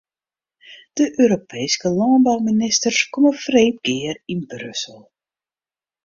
De Europeeske lânbouministers komme freed gear yn Brussel.